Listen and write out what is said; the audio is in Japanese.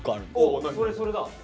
それそれだ。